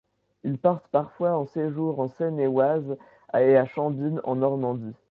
Ils partent parfois en séjour en Seine-et-Oise et à Chambines en Normandie.